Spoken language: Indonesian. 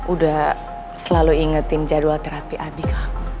udah selalu ingetin jadwal terapi abi ke aku